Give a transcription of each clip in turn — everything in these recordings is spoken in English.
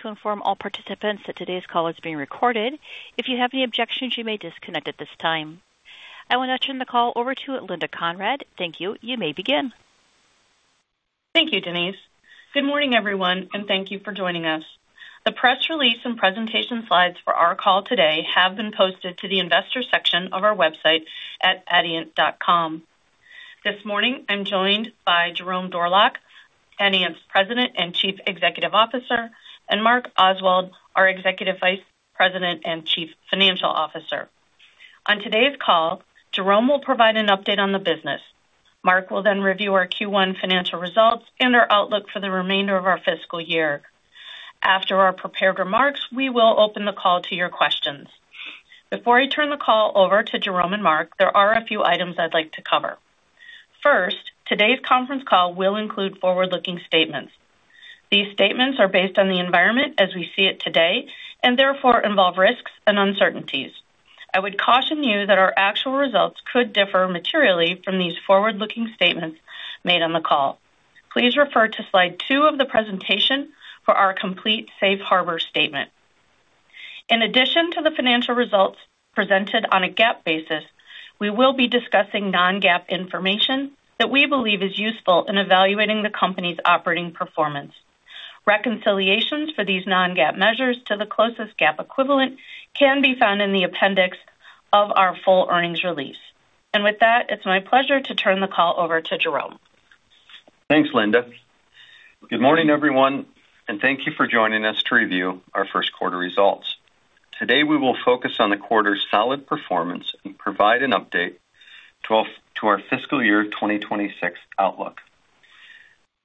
To inform all participants that today's call is being recorded. If you have any objections, you may disconnect at this time. I will now turn the call over to Linda Conrad. Thank you. You may begin. Thank you, Denise. Good morning, everyone, and thank you for joining us. The press release and presentation slides for our call today have been posted to the investor section of our website at adient.com. This morning, I'm joined by Jerome Dorlack, Adient's President and Chief Executive Officer, and Mark Oswald, our Executive Vice President and Chief Financial Officer. On today's call, Jerome will provide an update on the business. Mark will then review our Q1 financial results and our outlook for the remainder of our fiscal year. After our prepared remarks, we will open the call to your questions. Before I turn the call over to Jerome and Mark, there are a few items I'd like to cover. First, today's conference call will include forward-looking statements. These statements are based on the environment as we see it today, and therefore involve risks and uncertainties. I would caution you that our actual results could differ materially from these forward-looking statements made on the call. Please refer to slide 2 of the presentation for our complete safe harbor statement. In addition to the financial results presented on a GAAP basis, we will be discussing non-GAAP information that we believe is useful in evaluating the company's operating performance. Reconciliations for these non-GAAP measures to the closest GAAP equivalent can be found in the appendix of our full earnings release. With that, it's my pleasure to turn the call over to Jerome. Thanks, Linda. Good morning, everyone, and thank you for joining us to review our first quarter results. Today, we will focus on the quarter's solid performance and provide an update to our fiscal year 2026 outlook.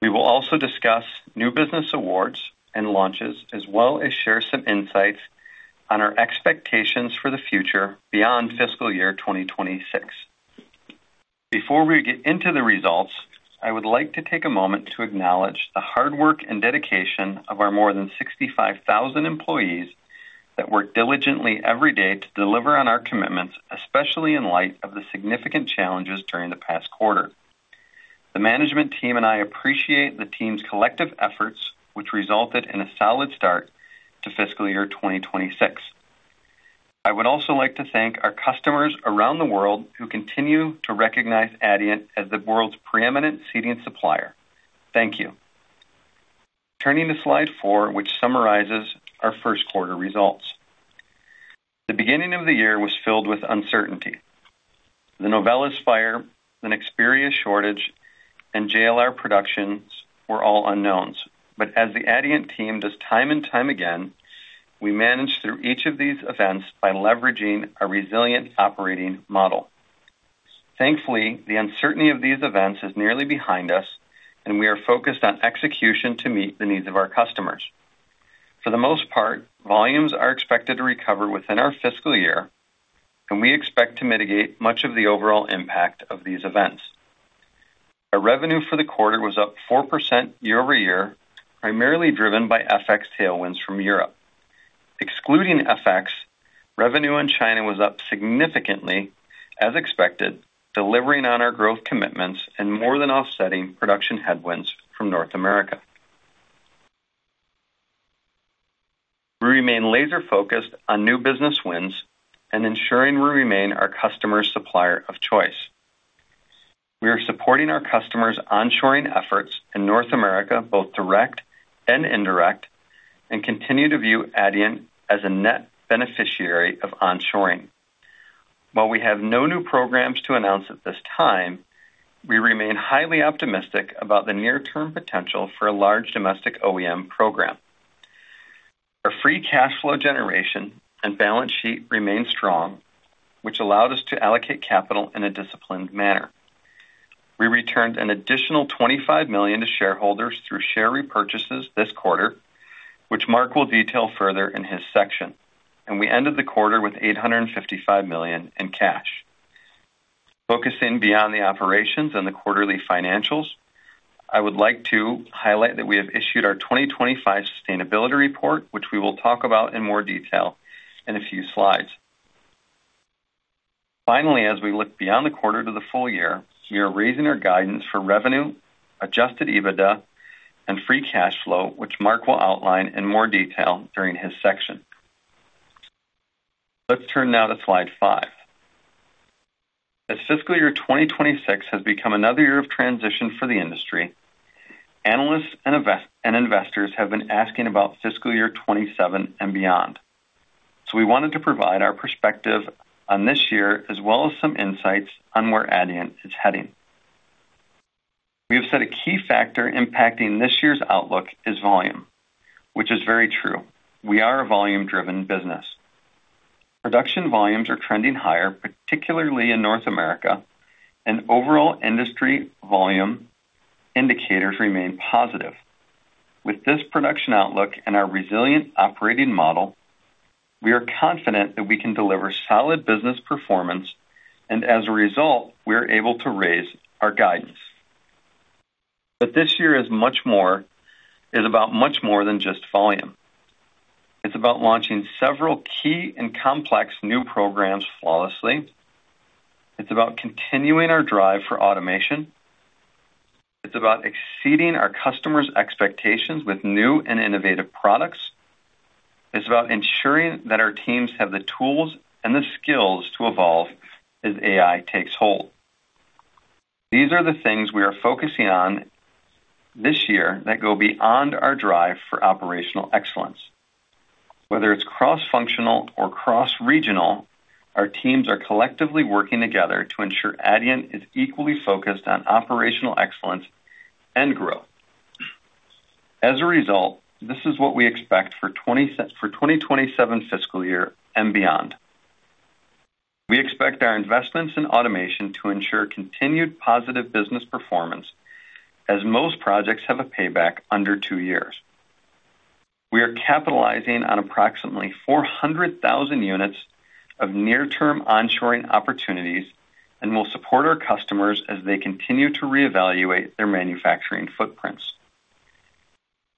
We will also discuss new business awards and launches, as well as share some insights on our expectations for the future beyond fiscal year 2026. Before we get into the results, I would like to take a moment to acknowledge the hard work and dedication of our more than 65,000 employees that work diligently every day to deliver on our commitments, especially in light of the significant challenges during the past quarter. The management team and I appreciate the team's collective efforts, which resulted in a solid start to fiscal year 2026. I would also like to thank our customers around the world who continue to recognize Adient as the world's preeminent seating supplier. Thank you. Turning to slide 4, which summarizes our first quarter results. The beginning of the year was filled with uncertainty. The Novelis fire, the Nexperia shortage, and JLR productions were all unknowns, but as the Adient team does time and time again, we managed through each of these events by leveraging a resilient operating model. Thankfully, the uncertainty of these events is nearly behind us, and we are focused on execution to meet the needs of our customers. For the most part, volumes are expected to recover within our fiscal year, and we expect to mitigate much of the overall impact of these events. Our revenue for the quarter was up 4% year-over-year, primarily driven by FX tailwinds from Europe. Excluding FX, revenue in China was up significantly as expected, delivering on our growth commitments and more than offsetting production headwinds from North America. We remain laser-focused on new business wins and ensuring we remain our customer supplier of choice. We are supporting our customers' onshoring efforts in North America, both direct and indirect, and continue to view Adient as a net beneficiary of onshoring. While we have no new programs to announce at this time, we remain highly optimistic about the near-term potential for a large domestic OEM program. Our free cash flow generation and balance sheet remain strong, which allowed us to allocate capital in a disciplined manner. We returned an additional $25 million to shareholders through share repurchases this quarter, which Mark will detail further in his section, and we ended the quarter with $855 million in cash. Focusing beyond the operations and the quarterly financials, I would like to highlight that we have issued our 2025 sustainability report, which we will talk about in more detail in a few slides. Finally, as we look beyond the quarter to the full year, we are raising our guidance for revenue, Adjusted EBITDA, and free cash flow, which Mark will outline in more detail during his section. Let's turn now to slide 5. As fiscal year 2026 has become another year of transition for the industry, analysts and investors have been asking about fiscal year 2027 and beyond. So we wanted to provide our perspective on this year, as well as some insights on where Adient is heading. We have said a key factor impacting this year's outlook is volume, which is very true. We are a volume-driven business. Production volumes are trending higher, particularly in North America, and overall industry volume indicators remain positive. With this production outlook and our resilient operating model, we are confident that we can deliver solid business performance, and as a result, we are able to raise our guidance. But this year is much more, is about much more than just volume. It's about launching several key and complex new programs flawlessly. It's about continuing our drive for automation.... It's about exceeding our customers' expectations with new and innovative products. It's about ensuring that our teams have the tools and the skills to evolve as AI takes hold. These are the things we are focusing on this year that go beyond our drive for operational excellence. Whether it's cross-functional or cross-regional, our teams are collectively working together to ensure Adient is equally focused on operational excellence and growth. As a result, this is what we expect for 2027 fiscal year and beyond. We expect our investments in automation to ensure continued positive business performance, as most projects have a payback under 2 years. We are capitalizing on approximately 400,000 units of near-term onshoring opportunities, and we'll support our customers as they continue to reevaluate their manufacturing footprints.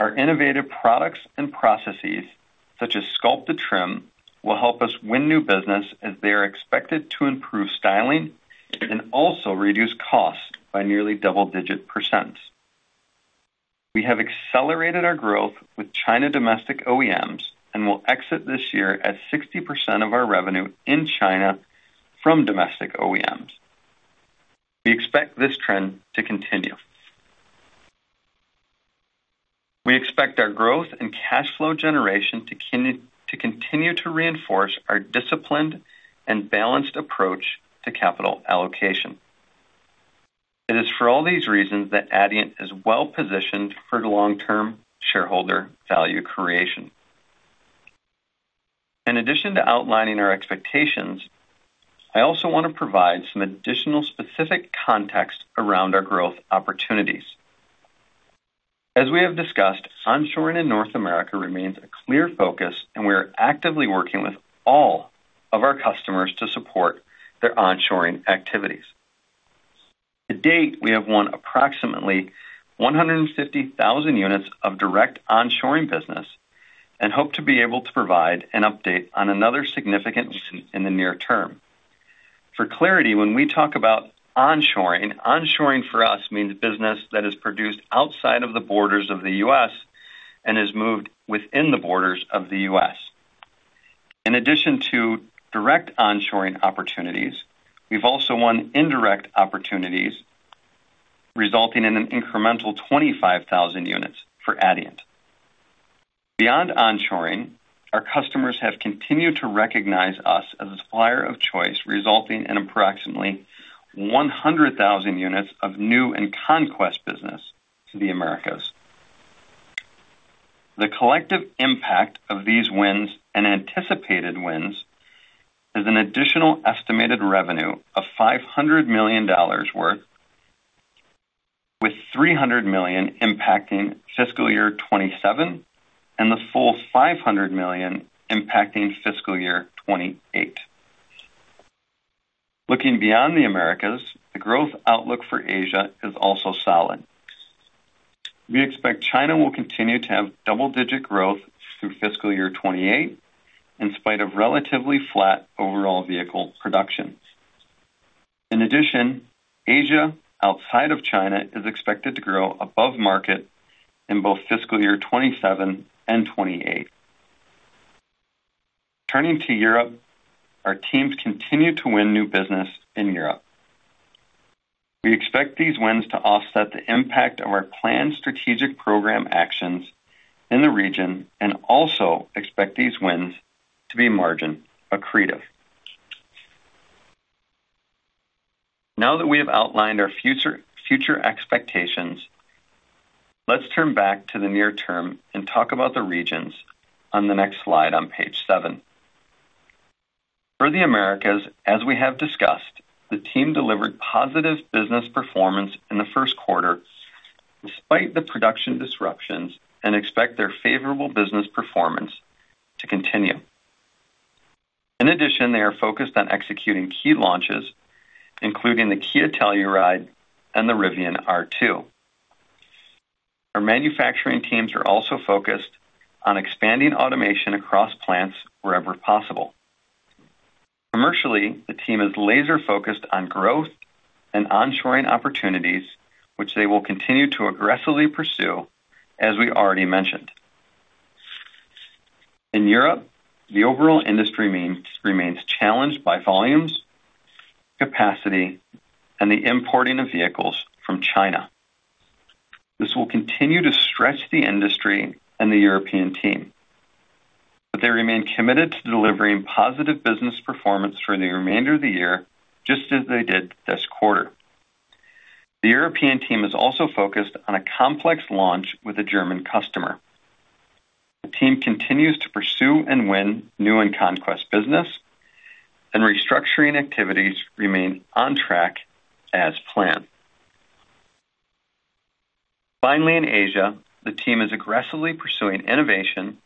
Our innovative products and processes, such as Sculpted Trim, will help us win new business as they are expected to improve styling and also reduce costs by nearly double-digit percents. We have accelerated our growth with China domestic OEMs, and will exit this year at 60% of our revenue in China from domestic OEMs. We expect this trend to continue. We expect our growth and cash flow generation to continue to reinforce our disciplined and balanced approach to capital allocation. It is for all these reasons that Adient is well-positioned for the long-term shareholder value creation. In addition to outlining our expectations, I also want to provide some additional specific context around our growth opportunities. As we have discussed, onshoring in North America remains a clear focus, and we are actively working with all of our customers to support their onshoring activities. To date, we have won approximately 150,000 units of direct onshoring business and hope to be able to provide an update on another significant win in the near term. For clarity, when we talk about onshoring, onshoring for us means business that is produced outside of the borders of the U.S. and is moved within the borders of the U.S. In addition to direct onshoring opportunities, we've also won indirect opportunities, resulting in an incremental 25,000 units for Adient. Beyond onshoring, our customers have continued to recognize us as a supplier of choice, resulting in approximately 100,000 units of new and conquest business to the Americas. The collective impact of these wins and anticipated wins is an additional estimated revenue of $500 million, with $300 million impacting fiscal year 2027, and the full $500 million impacting fiscal year 2028. Looking beyond the Americas, the growth outlook for Asia is also solid. We expect China will continue to have double-digit growth through fiscal year 2028, in spite of relatively flat overall vehicle production. In addition, Asia, outside of China, is expected to grow above market in both fiscal year 2027 and 2028. Turning to Europe, our teams continue to win new business in Europe. We expect these wins to offset the impact of our planned strategic program actions in the region and also expect these wins to be margin accretive. Now that we have outlined our future, future expectations, let's turn back to the near term and talk about the regions on the next slide on page seven. For the Americas, as we have discussed, the team delivered positive business performance in the first quarter despite the production disruptions, and expect their favorable business performance to continue. In addition, they are focused on executing key launches, including the Kia Telluride and the Rivian R2. Our manufacturing teams are also focused on expanding automation across plants wherever possible. Commercially, the team is laser-focused on growth and onshoring opportunities, which they will continue to aggressively pursue, as we already mentioned. In Europe, the overall industry remains challenged by volumes, capacity, and the importing of vehicles from China. This will continue to stretch the industry and the European team, but they remain committed to delivering positive business performance for the remainder of the year, just as they did this quarter. The European team is also focused on a complex launch with a German customer. The team continues to pursue and win new and conquest business, and restructuring activities remain on track as planned. Finally, in Asia, the team is aggressively pursuing innovation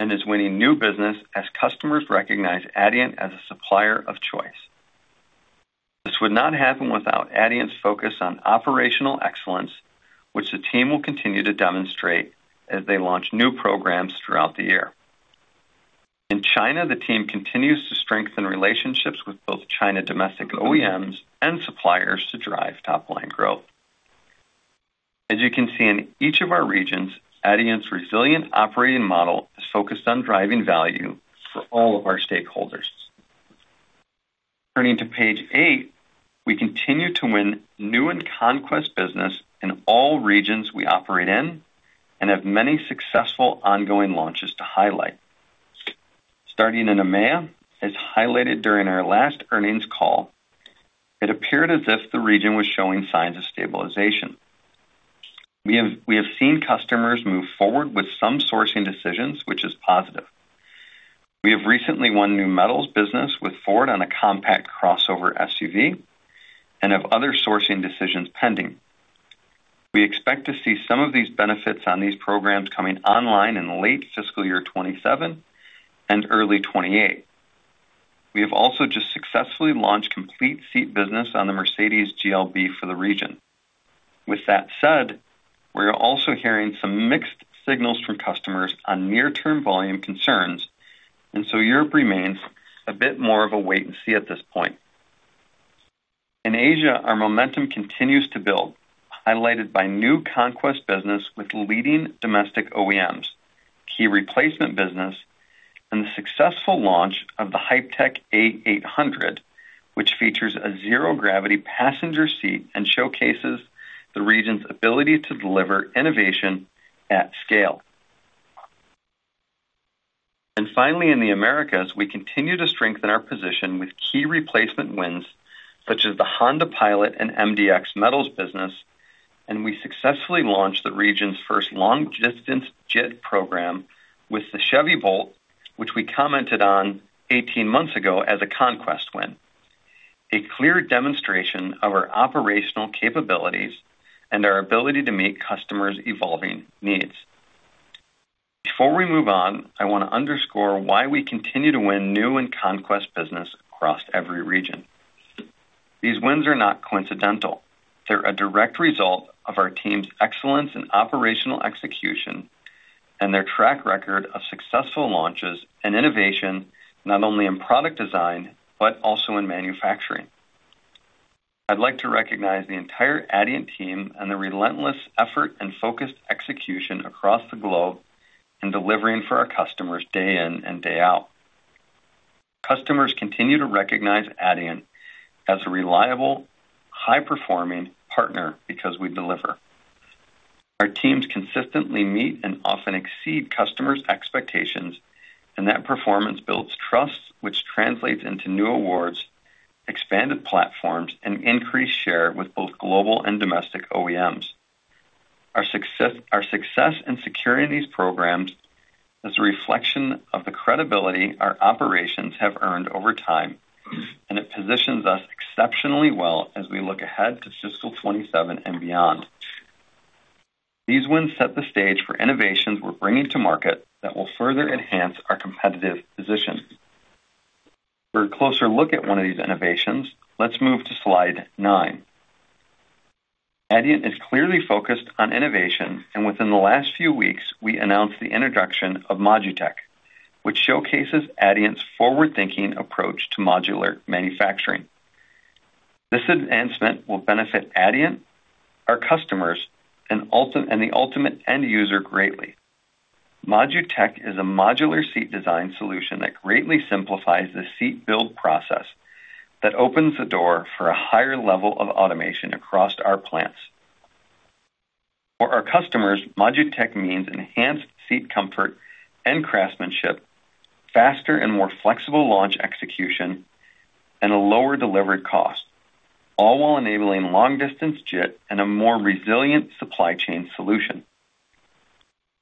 and is winning new business as customers recognize Adient as a supplier of choice. This would not happen without Adient's focus on operational excellence, which the team will continue to demonstrate as they launch new programs throughout the year. In China, the team continues to strengthen relationships with both China domestic OEMs and suppliers to drive top-line growth. As you can see in each of our regions, Adient's resilient operating model is focused on driving value for all of our stakeholders. Turning to page 8, we continue to win new and conquest business in all regions we operate in and have many successful ongoing launches to highlight. Starting in EMEA, as highlighted during our last earnings call, it appeared as if the region was showing signs of stabilization. We have seen customers move forward with some sourcing decisions, which is positive. We have recently won new metals business with Ford on a compact crossover SUV and have other sourcing decisions pending. We expect to see some of these benefits on these programs coming online in late fiscal year 2027 and early 2028. We have also just successfully launched complete seat business on the Mercedes-Benz GLB for the region. With that said, we are also hearing some mixed signals from customers on near-term volume concerns, and so Europe remains a bit more of a wait and see at this point. In Asia, our momentum continues to build, highlighted by new conquest business with leading domestic OEMs, key replacement business, and the successful launch of the Hyptec HT, which features a zero-gravity passenger seat and showcases the region's ability to deliver innovation at scale. And finally, in the Americas, we continue to strengthen our position with key replacement wins, such as the Honda Pilot and MDX metals business, and we successfully launched the region's first long-distance JIT program with the Chevy Bolt, which we commented on 18 months ago as a conquest win. A clear demonstration of our operational capabilities and our ability to meet customers' evolving needs. Before we move on, I want to underscore why we continue to win new and conquest business across every region. These wins are not coincidental. They're a direct result of our team's excellence in operational execution and their track record of successful launches and innovation, not only in product design, but also in manufacturing. I'd like to recognize the entire Adient team and the relentless effort and focused execution across the globe in delivering for our customers day in and day out. Customers continue to recognize Adient as a reliable, high-performing partner because we deliver. Our teams consistently meet and often exceed customers' expectations, and that performance builds trust, which translates into new awards, expanded platforms, and increased share with both global and domestic OEMs. Our success, our success in securing these programs is a reflection of the credibility our operations have earned over time, and it positions us exceptionally well as we look ahead to fiscal 2027 and beyond. These wins set the stage for innovations we're bringing to market that will further enhance our competitive position. For a closer look at one of these innovations, let's move to slide 9. Adient is clearly focused on innovation, and within the last few weeks, we announced the introduction of ModuTec, which showcases Adient's forward-thinking approach to modular manufacturing. This advancement will benefit Adient, our customers, and the ultimate end user greatly. ModuTec is a modular seat design solution that greatly simplifies the seat build process, that opens the door for a higher level of automation across our plants. For our customers, ModuTec means enhanced seat comfort and craftsmanship, faster and more flexible launch execution, and a lower delivered cost, all while enabling long-distance JIT and a more resilient supply chain solution.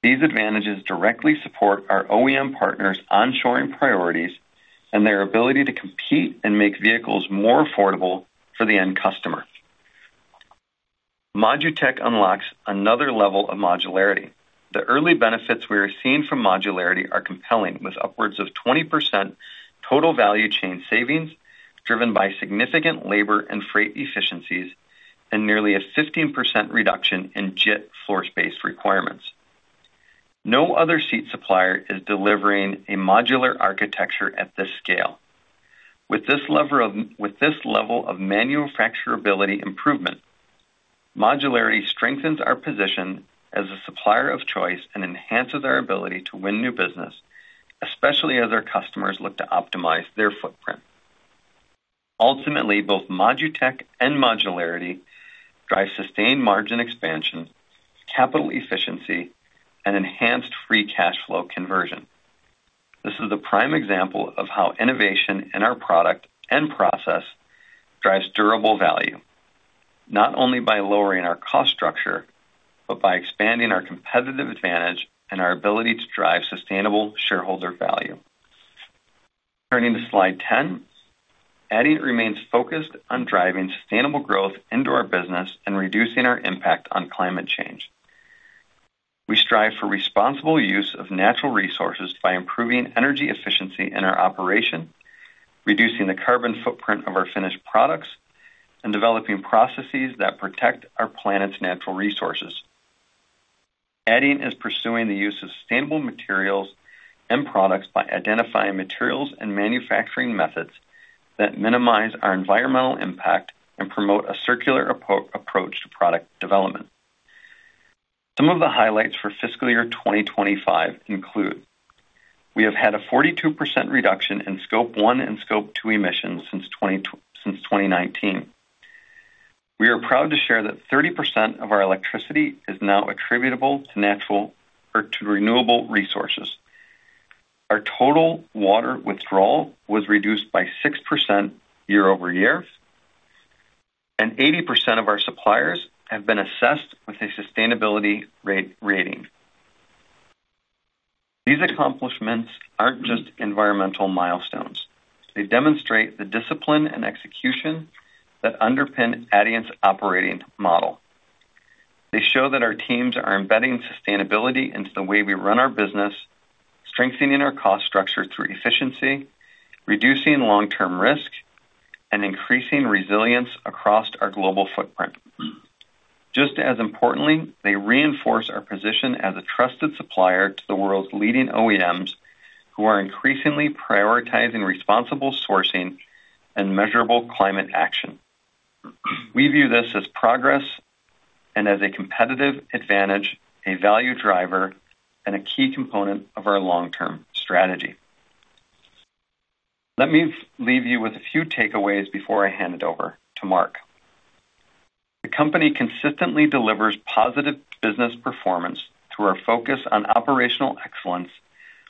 These advantages directly support our OEM partners' onshoring priorities and their ability to compete and make vehicles more affordable for the end customer. ModuTec unlocks another level of modularity. The early benefits we are seeing from modularity are compelling, with upwards of 20% total value chain savings, driven by significant labor and freight efficiencies, and nearly a 15% reduction in JIT floor space requirements. No other seat supplier is delivering a modular architecture at this scale. With this level of manufacturability improvement, modularity strengthens our position as a supplier of choice and enhances our ability to win new business, especially as our customers look to optimize their footprint. Ultimately, both ModuTec and modularity drive sustained margin expansion, capital efficiency, and enhanced free cash flow conversion. This is a prime example of how innovation in our product and process drives durable value, not only by lowering our cost structure, but by expanding our competitive advantage and our ability to drive sustainable shareholder value. Turning to slide 10, Adient remains focused on driving sustainable growth into our business and reducing our impact on climate change. We strive for responsible use of natural resources by improving energy efficiency in our operation, reducing the carbon footprint of our finished products, and developing processes that protect our planet's natural resources. Adient is pursuing the use of sustainable materials and products by identifying materials and manufacturing methods that minimize our environmental impact and promote a circular approach to product development. Some of the highlights for fiscal year 2025 include: We have had a 42% reduction in Scope 1 and Scope 2 emissions since 2019. We are proud to share that 30% of our electricity is now attributable to natural or to renewable resources. Our total water withdrawal was reduced by 6% year-over-year, and 80% of our suppliers have been assessed with a sustainability rating. These accomplishments aren't just environmental milestones. They demonstrate the discipline and execution that underpin Adient's operating model. They show that our teams are embedding sustainability into the way we run our business, strengthening our cost structure through efficiency, reducing long-term risk, and increasing resilience across our global footprint. Just as importantly, they reinforce our position as a trusted supplier to the world's leading OEMs, who are increasingly prioritizing responsible sourcing and measurable climate action. We view this as progress and as a competitive advantage, a value driver, and a key component of our long-term strategy. Let me leave you with a few takeaways before I hand it over to Mark. The company consistently delivers positive business performance through our focus on operational excellence,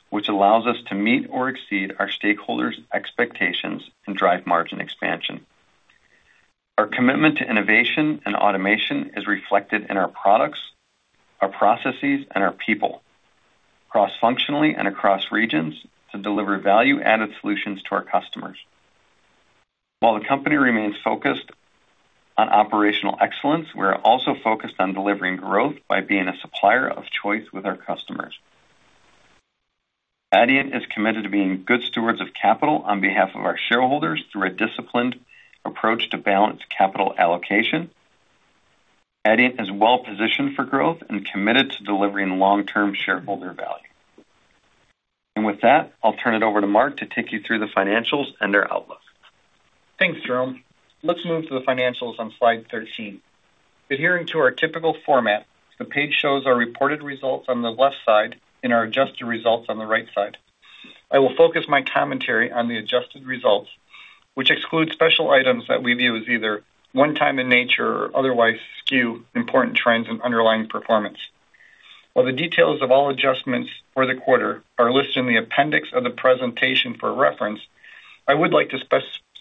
which allows us to meet or exceed our stakeholders' expectations and drive margin expansion. Our commitment to innovation and automation is reflected in our products, our processes, and our people, cross-functionally and across regions to deliver value-added solutions to our customers. While the company remains focused on operational excellence, we are also focused on delivering growth by being a supplier of choice with our customers. Adient is committed to being good stewards of capital on behalf of our shareholders through a disciplined approach to balanced capital allocation. Adient is well positioned for growth and committed to delivering long-term shareholder value. With that, I'll turn it over to Mark to take you through the financials and our outlook. Thanks, Jerome. Let's move to the financials on slide 13. Adhering to our typical format, the page shows our reported results on the left side and our adjusted results on the right side. I will focus my commentary on the adjusted results, which exclude special items that we view as either one-time in nature or otherwise skew important trends and underlying performance. While the details of all adjustments for the quarter are listed in the appendix of the presentation for reference, I would like to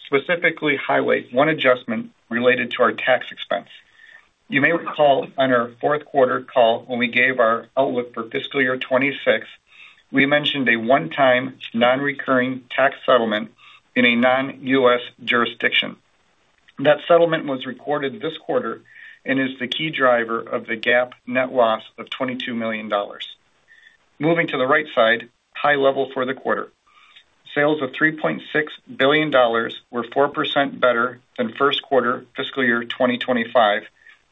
specifically highlight one adjustment related to our tax expense. You may recall on our fourth quarter call, when we gave our outlook for fiscal year 2026, we mentioned a one-time, non-recurring tax settlement in a non-U.S. jurisdiction. That settlement was recorded this quarter and is the key driver of the GAAP net loss of $22 million. Moving to the right side, high level for the quarter. Sales of $3.6 billion were 4% better than first quarter fiscal year 2025,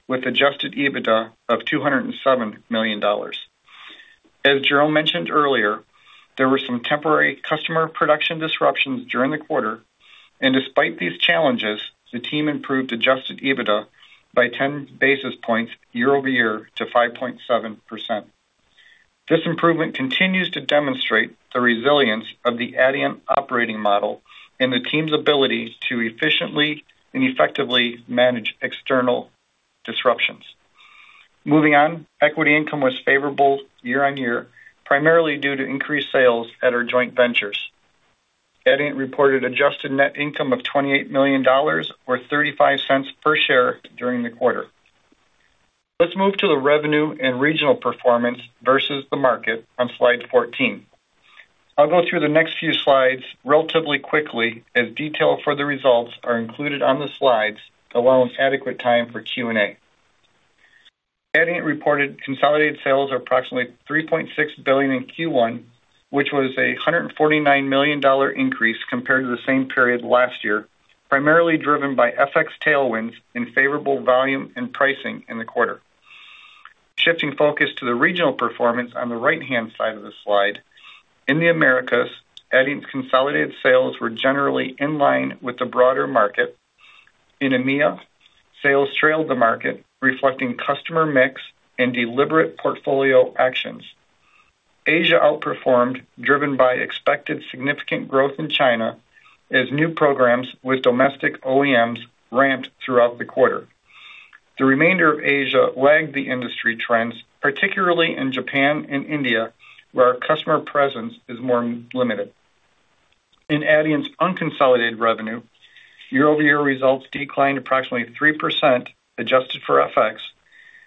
with adjusted EBITDA of $207 million. As Jerome mentioned earlier, there were some temporary customer production disruptions during the quarter, and despite these challenges, the team improved adjusted EBITDA by 10 basis points year-over-year to 5.7%. This improvement continues to demonstrate the resilience of the Adient operating model and the team's ability to efficiently and effectively manage external disruptions. Moving on. Equity income was favorable year-over-year, primarily due to increased sales at our joint ventures. Adient reported adjusted net income of $28 million or $0.35 per share during the quarter. Let's move to the revenue and regional performance versus the market on slide 14. I'll go through the next few slides relatively quickly, as details for the results are included on the slides, allowing adequate time for Q&A. Adient reported consolidated sales of approximately $3.6 billion in Q1, which was a $149 million increase compared to the same period last year, primarily driven by FX tailwinds and favorable volume and pricing in the quarter. Shifting focus to the regional performance on the right-hand side of the slide. In the Americas, Adient's consolidated sales were generally in line with the broader market. In EMEA, sales trailed the market, reflecting customer mix and deliberate portfolio actions. Asia outperformed, driven by expected significant growth in China as new programs with domestic OEMs ramped throughout the quarter. The remainder of Asia lagged the industry trends, particularly in Japan and India, where our customer presence is more limited. In Adient's unconsolidated revenue, year-over-year results declined approximately 3%, adjusted for FX.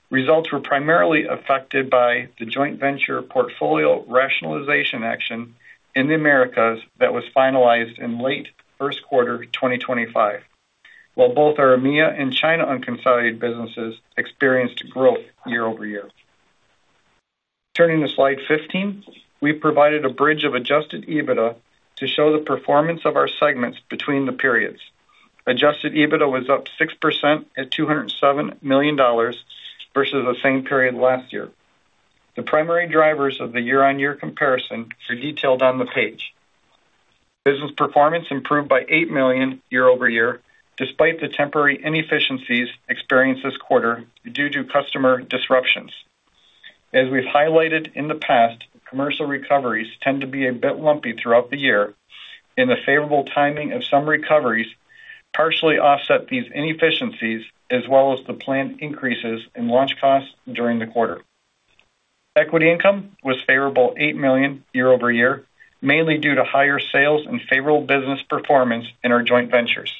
Results were primarily affected by the joint venture portfolio rationalization action in the Americas that was finalized in late first quarter 2025. While both our EMEA and China unconsolidated businesses experienced growth year-over-year. Turning to Slide 15, we provided a bridge of adjusted EBITDA to show the performance of our segments between the periods. Adjusted EBITDA was up 6% at $207 million versus the same period last year. The primary drivers of the year-over-year comparison are detailed on the page. Business performance improved by $8 million year-over-year, despite the temporary inefficiencies experienced this quarter due to customer disruptions. As we've highlighted in the past, commercial recoveries tend to be a bit lumpy throughout the year, and the favorable timing of some recoveries partially offset these inefficiencies, as well as the planned increases in launch costs during the quarter. Equity income was favorable $8 million year-over-year, mainly due to higher sales and favorable business performance in our joint ventures.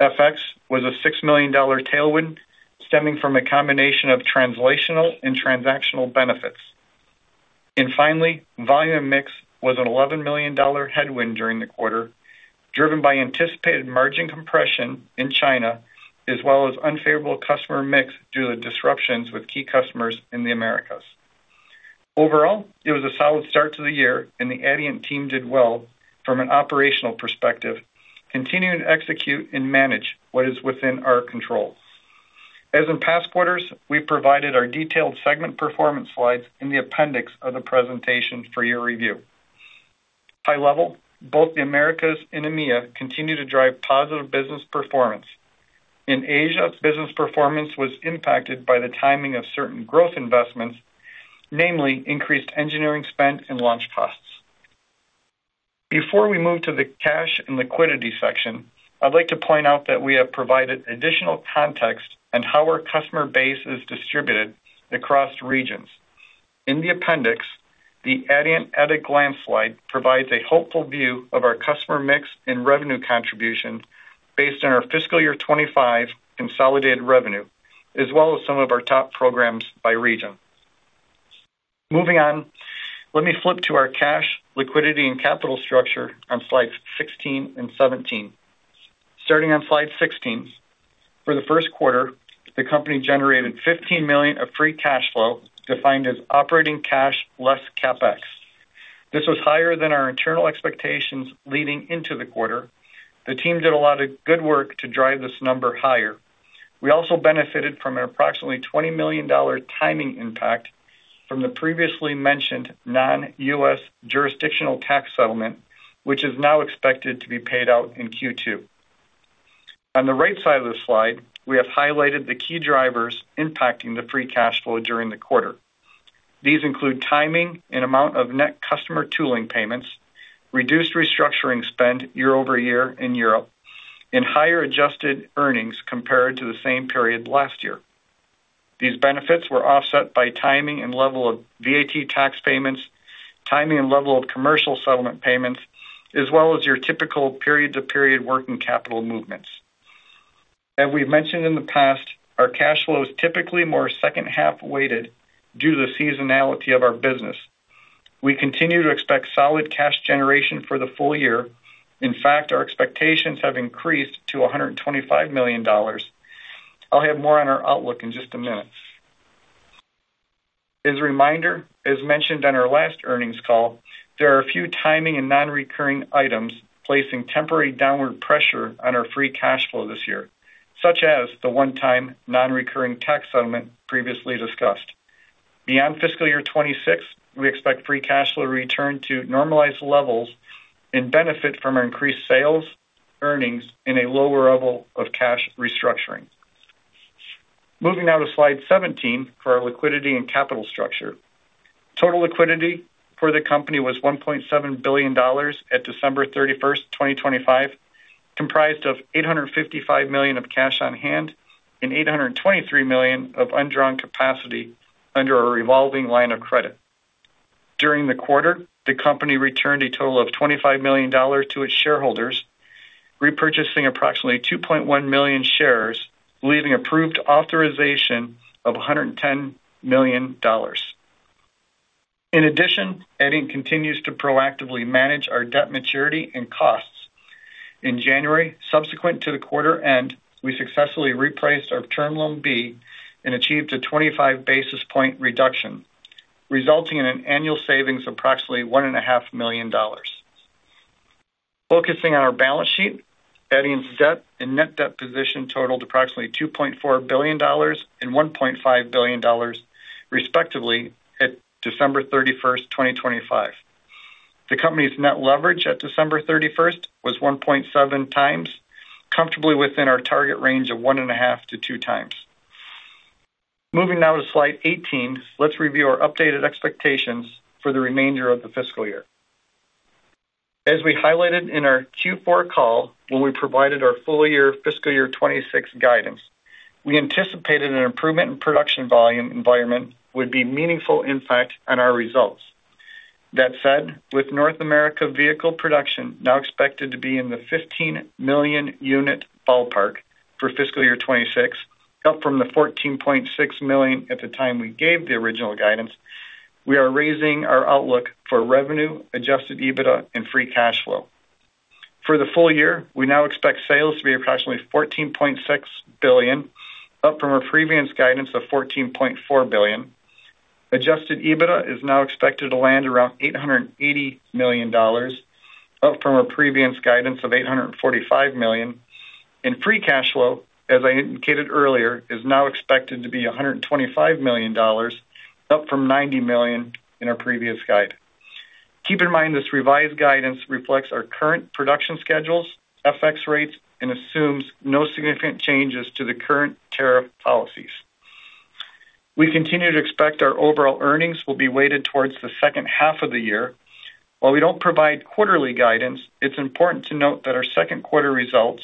FX was a $6 million tailwind stemming from a combination of translational and transactional benefits. And finally, volume mix was an $11 million headwind during the quarter, driven by anticipated margin compression in China, as well as unfavorable customer mix due to disruptions with key customers in the Americas. Overall, it was a solid start to the year, and the Adient team did well from an operational perspective, continuing to execute and manage what is within our control. As in past quarters, we provided our detailed segment performance slides in the appendix of the presentation for your review. High-level, both the Americas and EMEA continue to drive positive business performance. In Asia, business performance was impacted by the timing of certain growth investments, namely increased engineering spend and launch costs. Before we move to the cash and liquidity section, I'd like to point out that we have provided additional context on how our customer base is distributed across regions. In the appendix, the Adient at a Glance slide provides a helpful view of our customer mix and revenue contribution based on our fiscal year 2025 consolidated revenue, as well as some of our top programs by region. Moving on, let me flip to our cash, liquidity, and capital structure on slides 16 and 17. Starting on Slide 16. For the first quarter, the company generated $15 million of free cash flow, defined as operating cash less CapEx. This was higher than our internal expectations leading into the quarter. The team did a lot of good work to drive this number higher. We also benefited from an approximately $20 million timing impact from the previously mentioned non-U.S. jurisdictional tax settlement, which is now expected to be paid out in Q2. On the right side of the slide, we have highlighted the key drivers impacting the free cash flow during the quarter. These include timing and amount of net customer tooling payments, reduced restructuring spend year-over-year in Europe, and higher adjusted earnings compared to the same period last year. These benefits were offset by timing and level of VAT tax payments, timing and level of commercial settlement payments, as well as your typical period-to-period working capital movements. As we've mentioned in the past, our cash flow is typically more second half-weighted due to the seasonality of our business. We continue to expect solid cash generation for the full year. In fact, our expectations have increased to $125 million. I'll have more on our outlook in just a minute. As a reminder, as mentioned on our last earnings call, there are a few timing and non-recurring items placing temporary downward pressure on our free cash flow this year, such as the one-time non-recurring tax settlement previously discussed. Beyond fiscal year 2026, we expect free cash flow to return to normalized levels and benefit from our increased sales, earnings in a lower level of cash restructuring. Moving now to Slide 17 for our liquidity and capital structure. Total liquidity for the company was $1.7 billion at December 31, 2025, comprised of $855 million of cash on hand and $823 million of undrawn capacity under a revolving line of credit. During the quarter, the company returned a total of $25 million to its shareholders, repurchasing approximately 2.1 million shares, leaving approved authorization of $110 million. In addition, Adient continues to proactively manage our debt maturity and costs. In January, subsequent to the quarter end, we successfully repriced our Term Loan B and achieved a 25 basis point reduction, resulting in an annual savings of approximately $1.5 million. Focusing on our balance sheet, Adient's debt and net debt position totaled approximately $2.4 billion and $1.5 billion, respectively, at December 31, 2025. The company's net leverage at December 31 was 1.7 times, comfortably within our target range of 1.5-2 times. Moving now to Slide 18. Let's review our updated expectations for the remainder of the fiscal year. As we highlighted in our Q4 call, when we provided our full year fiscal year 2026 guidance, we anticipated an improvement in production volume environment would be meaningful impact on our results. That said, with North America vehicle production now expected to be in the 15 million unit ballpark for fiscal year 2026, up from the 14.6 million at the time we gave the original guidance, we are raising our outlook for revenue, Adjusted EBITDA, and free cash flow. For the full year, we now expect sales to be approximately $14.6 billion, up from our previous guidance of $14.4 billion. Adjusted EBITDA is now expected to land around $880 million, up from our previous guidance of $845 million. free cash flow, as I indicated earlier, is now expected to be $125 million, up from $90 million in our previous guide. Keep in mind, this revised guidance reflects our current production schedules, FX rates, and assumes no significant changes to the current tariff policies. We continue to expect our overall earnings will be weighted towards the second half of the year. While we don't provide quarterly guidance, it's important to note that our second quarter results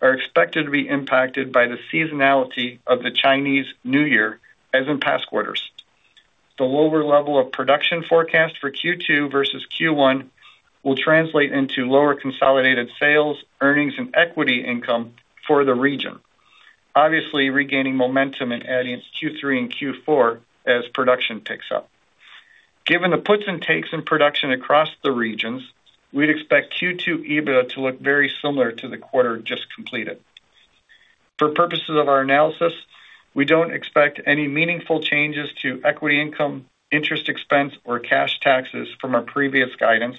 are expected to be impacted by the seasonality of the Chinese New Year, as in past quarters. The lower level of production forecast for Q2 versus Q1 will translate into lower consolidated sales, earnings, and equity income for the region. Obviously, regaining momentum and adding it to Q3 and Q4 as production picks up. Given the puts and takes in production across the regions, we'd expect Q2 EBITDA to look very similar to the quarter just completed. For purposes of our analysis, we don't expect any meaningful changes to equity income, interest expense, or cash taxes from our previous guidance,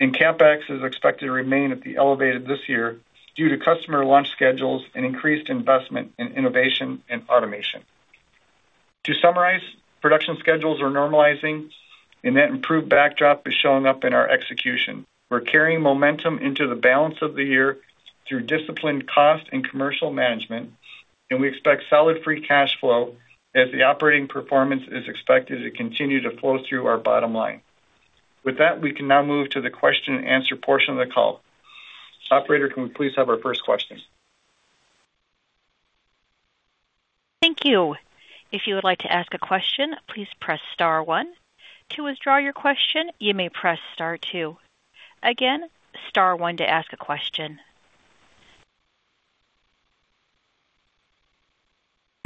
and CapEx is expected to remain at the elevated this year due to customer launch schedules and increased investment in innovation and automation. To summarize, production schedules are normalizing and that improved backdrop is showing up in our execution. We're carrying momentum into the balance of the year through disciplined cost and commercial management, and we expect solid free cash flow as the operating performance is expected to continue to flow through our bottom line. With that, we can now move to the question-and-answer portion of the call. Operator, can we please have our first question? Thank you. If you would like to ask a question, please press Star one. To withdraw your question, you may press Star two. Again, Star one to ask a question.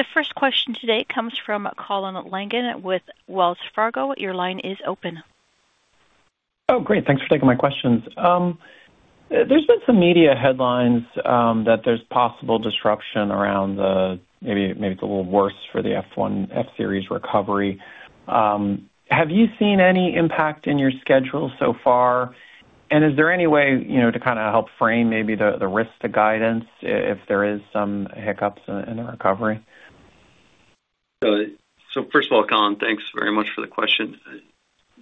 The first question today comes from Colin Langan with Wells Fargo. Your line is open. Oh, great! Thanks for taking my questions. There's been some media headlines that there's possible disruption around the maybe, maybe it's a little worse for the F-150 F-Series recovery. Have you seen any impact in your schedule so far? And is there any way, you know, to kind of help frame maybe the, the risk to guidance if there is some hiccups in the recovery? So first of all, Colin, thanks very much for the question.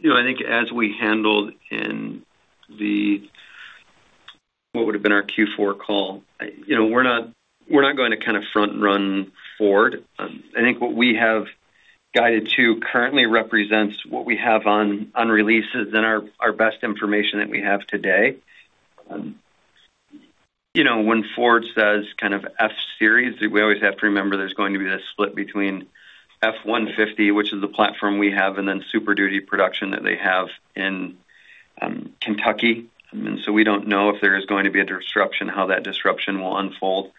You know, I think as we handled in the what would have been our Q4 call, you know, we're not, we're not going to kind of front run Ford. I think what we have guided to currently represents what we have on, on releases and our, our best information that we have today. You know, when Ford says kind of F-Series, we always have to remember there's going to be this split between F-150, which is the platform we have, and then Super Duty production that they have in Kentucky. And so we don't know if there is going to be a disruption, how that disruption will unfold.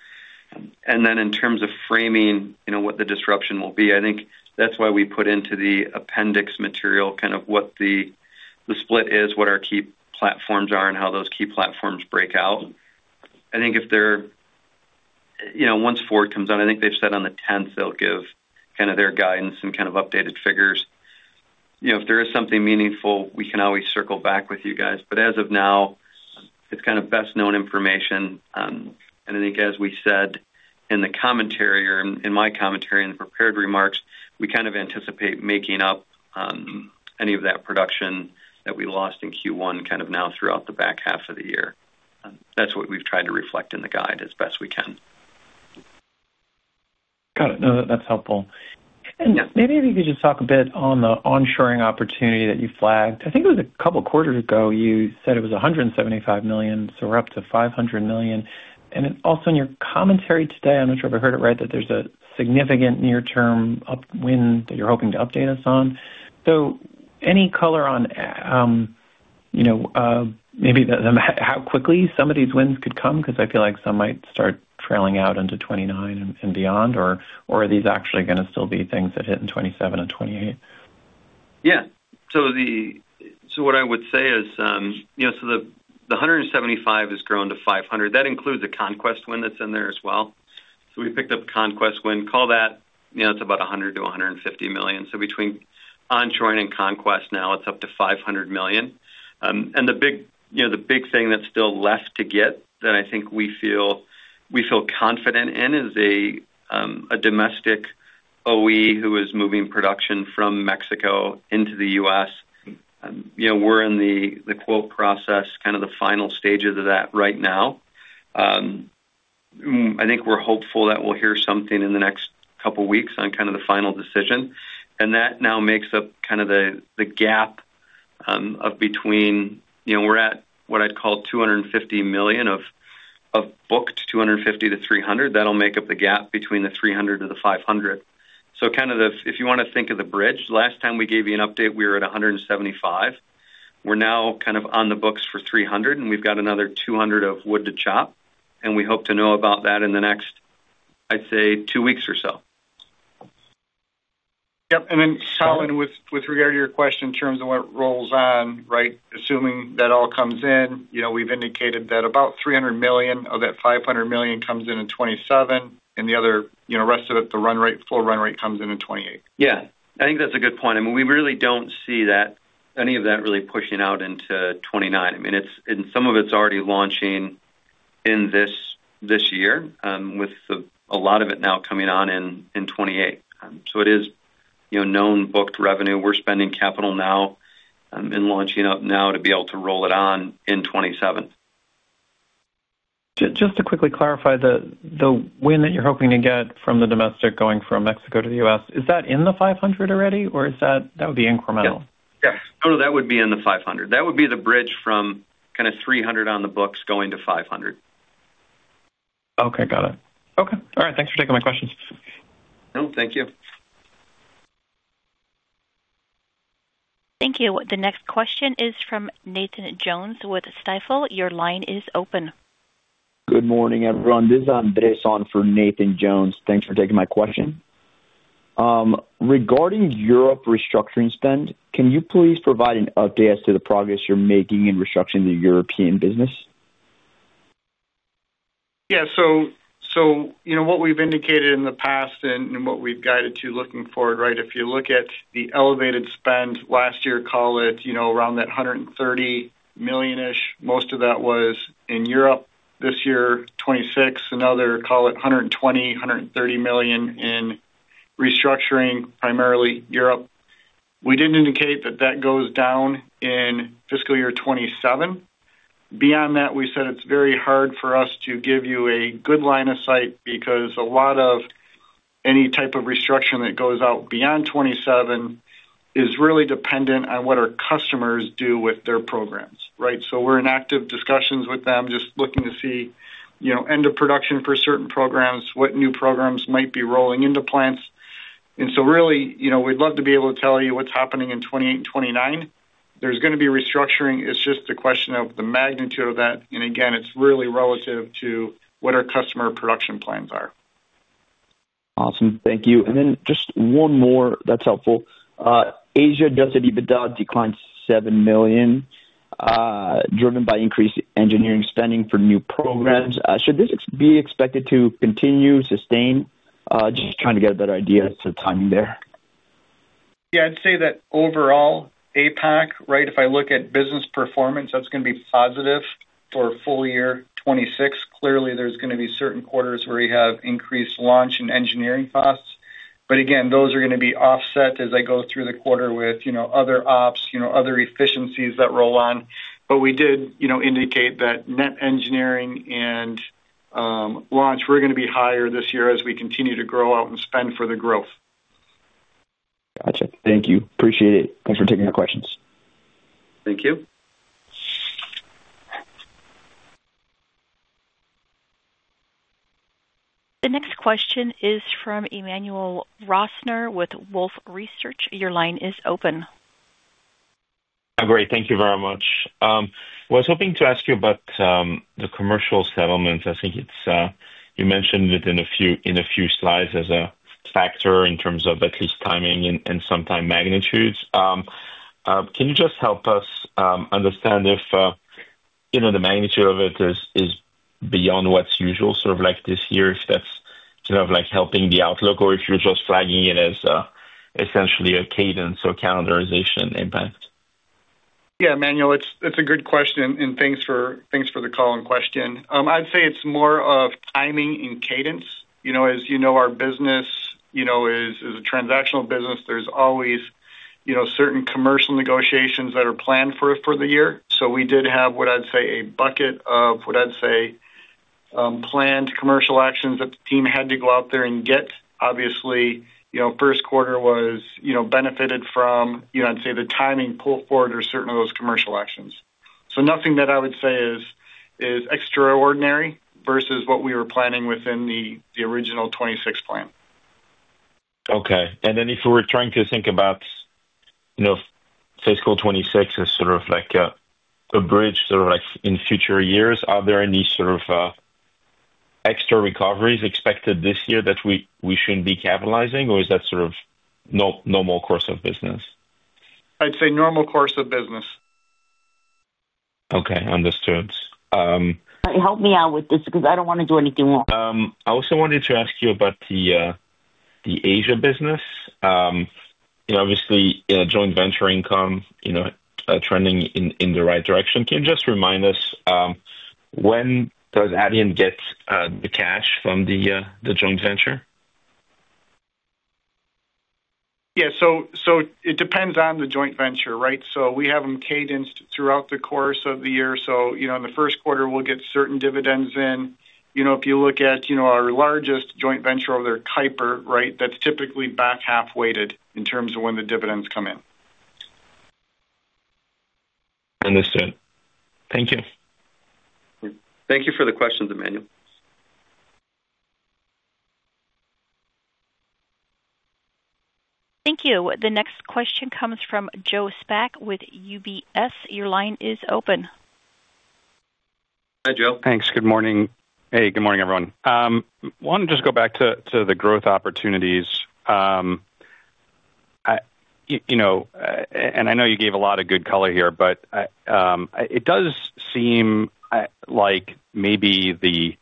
Then in terms of framing, you know, what the disruption will be, I think that's why we put into the appendix material, kind of what the split is, what our key platforms are, and how those key platforms break out. I think if they're, you know, once Ford comes out, I think they've said on the 10th, they'll give kind of their guidance and kind of updated figures. You know, if there is something meaningful, we can always circle back with you guys. But as of now, it's kind of best-known information. And I think as we said in the commentary or in my commentary, in the prepared remarks, we kind of anticipate making up any of that production that we lost in Q1, kind of now throughout the back half of the year. That's what we've tried to reflect in the guide as best we can. Got it. No, that's helpful. And maybe if you could just talk a bit on the onshoring opportunity that you flagged. I think it was a couple quarters ago, you said it was $175 million, so we're up to $500 million. And then also in your commentary today, I'm not sure if I heard it right, that there's a significant near-term upside that you're hoping to update us on. So any color on, you know, maybe how quickly some of these wins could come, because I feel like some might start trailing out into 2029 and beyond, or, or are these actually gonna still be things that hit in 2027 and 2028? Yeah. So what I would say is, you know, so the 175 has grown to 500. That includes a conquest win that's in there as well. So we picked up a conquest win. Call that, you know, it's about $100 million-$150 million. So between onshoring and conquest now it's up to $500 million. And the big, you know, the big thing that's still left to get that I think we feel, we feel confident in is a domestic OE who is moving production from Mexico into the U.S. You know, we're in the quote process, kind of the final stages of that right now. I think we're hopeful that we'll hear something in the next couple weeks on kind of the final decision, and that now makes up kind of the, the gap, of between... You know, we're at what I'd call $250 million of booked, $250-$300 million. That'll make up the gap between the $300-$500 million. So kind of the, if you wanna think of the bridge, last time we gave you an update, we were at $175 million. We're now kind of on the books for $300 million, and we've got another $200 million of wood to chop, and we hope to know about that in the next, I'd say, two weeks or so. Yep, and then Colin, with regard to your question in terms of what rolls on, right? Assuming that all comes in, you know, we've indicated that about $300 million of that $500 million comes in in 2027, and the other, you know, rest of it, the run rate, full run rate comes in in 2028. Yeah, I think that's a good point. I mean, we really don't see that, any of that really pushing out into 2029. I mean, it's and some of it's already launching in this year, with a lot of it now coming on in 2028. So it is, you know, known booked revenue. We're spending capital now and launching up now to be able to roll it on in 2027. Just to quickly clarify, the win that you're hoping to get from the domestic going from Mexico to the U.S., is that in the $500 already, or is that that would be incremental? Yes. Yes. No, that would be in the $500. That would be the bridge from kind of $300 on the books going to $500. Okay, got it. Okay. All right. Thanks for taking my questions. No, thank you. Thank you. The next question is from Nathan Jones with Stifel. Your line is open. Good morning, everyone. This is Andres on for Nathan Jones. Thanks for taking my question. Regarding Europe restructuring spend, can you please provide an update as to the progress you're making in restructuring the European business? Yeah, so, so, you know, what we've indicated in the past and, and what we've guided to looking forward, right? If you look at the elevated spend last year, call it, you know, around that $130 million-ish, most of that was in Europe. This year, 2026. Another, call it $120 million-$130 million in restructuring, primarily Europe. We did indicate that that goes down in fiscal year 2027. Beyond that, we said it's very hard for us to give you a good line of sight because a lot of any type of restructure that goes out beyond 2027 is really dependent on what our customers do with their programs, right? So we're in active discussions with them, just looking to see, you know, end of production for certain programs, what new programs might be rolling into plants. So really, you know, we'd love to be able to tell you what's happening in 2028 and 2029. There's gonna be restructuring. It's just a question of the magnitude of that, and again, it's really relative to what our customer production plans are. Awesome. Thank you. And then just one more. That's helpful. Asia adjusted EBITDA declined $7 million, driven by increased engineering spending for new programs. Should this be expected to continue, sustain? Just trying to get a better idea as to timing there. Yeah, I'd say that overall, APAC, right, if I look at business performance, that's gonna be positive for full year 2026. Clearly, there's gonna be certain quarters where you have increased launch and engineering costs, but again, those are gonna be offset as I go through the quarter with, you know, other ops, you know, other efficiencies that roll on. But we did, you know, indicate that net engineering and launch, we're gonna be higher this year as we continue to grow out and spend for the growth. Gotcha. Thank you. Appreciate it. Thanks for taking my questions. Thank you. The next question is from Emmanuel Rosner with Wolfe Research. Your line is open. Great. Thank you very much. I was hoping to ask you about the commercial settlement. I think it's you mentioned it in a few slides as a factor in terms of at least timing and sometimes magnitudes. Can you just help us understand if, you know, the magnitude of it is beyond what's usual, sort of like this year, if that's sort of like helping the outlook, or if you're just flagging it as essentially a cadence or calendarization impact? Yeah, Emmanuel, it's a good question, and thanks for the call and question. I'd say it's more of timing and cadence. You know, as you know, our business is a transactional business. There's always, you know, certain commercial negotiations that are planned for the year. So we did have what I'd say a bucket of planned commercial actions that the team had to go out there and get. Obviously, you know, first quarter was benefited from, you know, I'd say, the timing pull forward or certain of those commercial actions. So nothing that I would say is extraordinary versus what we were planning within the original 26 plan. Okay. And then if we're trying to think about, you know, fiscal 2026 as sort of like a bridge, or like in future years, are there any sort of extra recoveries expected this year that we should be capitalizing, or is that sort of normal course of business? I'd say normal course of business. Okay, understood. Help me out with this, because I don't want to do anything wrong. I also wanted to ask you about the Asia business. You know, obviously, you know, joint venture income, you know, trending in the right direction. Can you just remind us when does Adient get the cash from the joint venture? Yeah, so it depends on the joint venture, right? So we have them cadenced throughout the course of the year. So, you know, in the first quarter, we'll get certain dividends in. You know, if you look at, you know, our largest joint venture over there, Keiper, right? That's typically back half weighted in terms of when the dividends come in. Understood. Thank you. Thank you for the question, Emmanuel. Thank you. The next question comes from Joe Spak with UBS. Your line is open. Hi, Joe. Thanks. Good morning. Hey, good morning, everyone. Want to just go back to the growth opportunities. You know, and I know you gave a lot of good color here, but it does seem like maybe the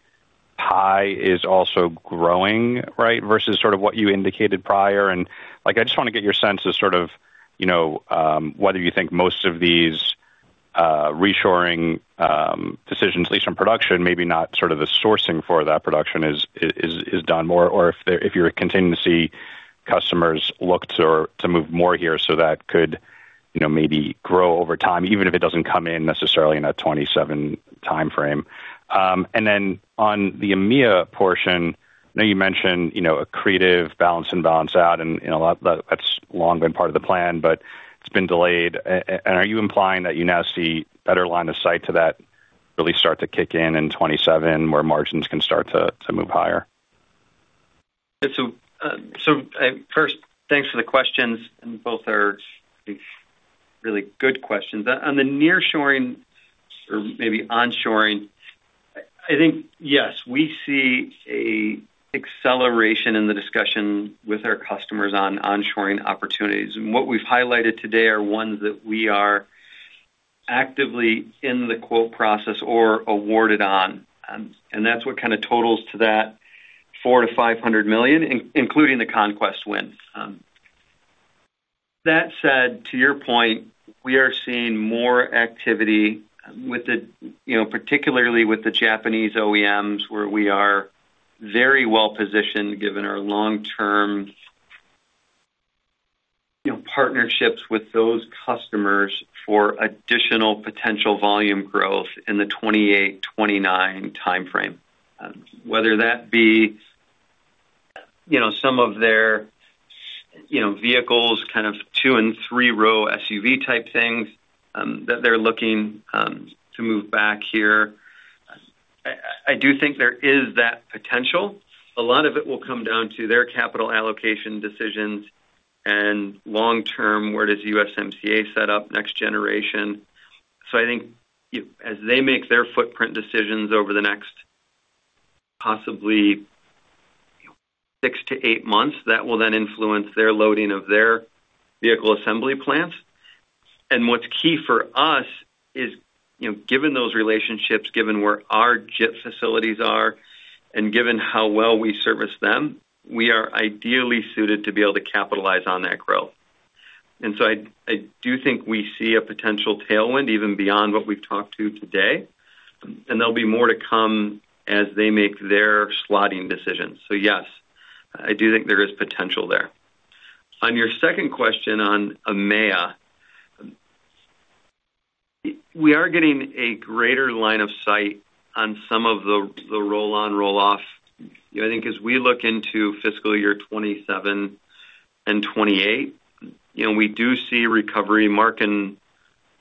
pie is also growing, right, versus sort of what you indicated prior. Like, I just want to get your sense of sort of, you know, whether you think most of these reshoring decisions, at least in production, maybe not sort of the sourcing for that production is done more, or if you're continuing to see customers look to move more here, so that could, you know, maybe grow over time, even if it doesn't come in necessarily in a 2027 timeframe. And then on the EMEA portion, I know you mentioned, you know, a creative balance and balance out, and, you know, that, that's long been part of the plan, but it's been delayed. And are you implying that you now see better line of sight to that really start to kick in in 2027, where margins can start to, to move higher? Yeah, so, so, first, thanks for the questions, and both are really good questions. On the nearshoring or maybe onshoring, I think, yes, we see an acceleration in the discussion with our customers on onshoring opportunities, and what we've highlighted today are ones that we are actively in the quote process or awarded on, and that's what kind of totals to that $400 million-$500 million, including the Conquest wins. That said, to your point, we are seeing more activity with the, you know, particularly with the Japanese OEMs, where we are very well positioned, given our long-term, you know, partnerships with those customers for additional potential volume growth in the 2028, 2029 timeframe. Whether that be, you know, some of their, you know, vehicles, kind of two- and three-row SUV-type things, that they're looking to move back here. I do think there is that potential. A lot of it will come down to their capital allocation decisions and long term, where does USMCA set up next generation? So I think, as they make their footprint decisions over the next, possibly 6-8 months, that will then influence their loading of their vehicle assembly plants. And what's key for us is, you know, given those relationships, given where our JIT facilities are, and given how well we service them, we are ideally suited to be able to capitalize on that growth. And so I do think we see a potential tailwind, even beyond what we've talked to today, and there'll be more to come as they make their slotting decisions. So yes, I do think there is potential there. On your second question on EMEA, we are getting a greater line of sight on some of the roll-on, roll-off. I think as we look into fiscal year 2027 and 2028, you know, we do see recovery. Mark and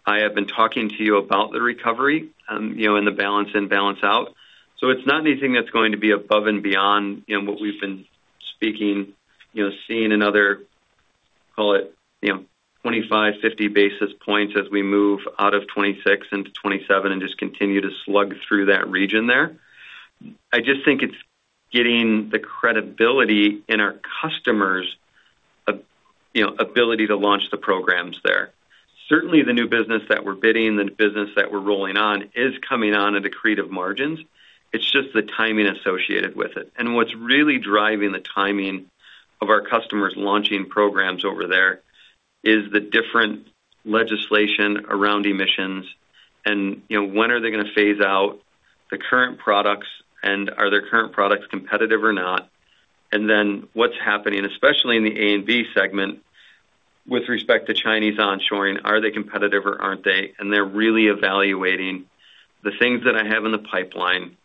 I have been talking to you about the recovery, you know, and the balance and balance out. So it's not anything that's going to be above and beyond, you know, what we've been speaking, you know, seeing another, call it, you know, 25-50 basis points as we move out of 2026 into 2027 and just continue to slug through that region there. I just think it's getting the credibility in our customers' ability to launch the programs there. Certainly, the new business that we're bidding, the business that we're rolling on, is coming on at accretive margins. It's just the timing associated with it. What's really driving the timing of our customers launching programs over there is the different legislation around emissions and, you know, when are they going to phase out the current products, and are their current products competitive or not? And then what's happening, especially in the A and B segment, with respect to Chinese onshoring, are they competitive or aren't they? And they're really evaluating the things that I have in the pipeline.